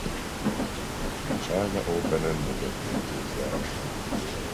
A China Openen negyeddöntőt játszott.